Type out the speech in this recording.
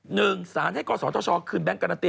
หนึ่งศาลให้ก่อสรทชคืนแบงก์การันตี